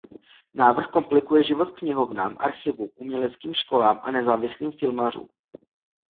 Návrh komplikuje život knihovnám, archivům, uměleckým školám a nezávislým filmařům.